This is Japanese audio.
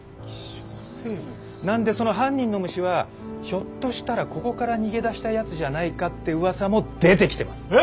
なんでその犯人の虫はひょっとしたらここから逃げ出したやつじゃないかってうわさも出てきてます。